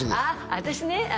私ね